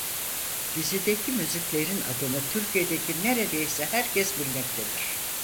Dizideki müziklerin adını Türkiye'deki neredeyse herkes bilmektedir.